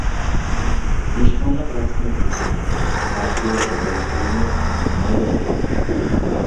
ھېچقانداق رەسمىيەت بېجىرمەيدۇ، پارتىيە بەدەل پۇلىمۇ تاپشۇرمايدۇ.